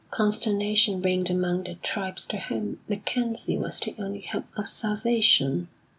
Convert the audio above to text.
Consternation reigned among the tribes to whom MacKenzie was the only hope of salvation.